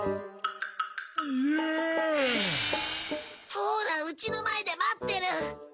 ほらうちの前で待ってる。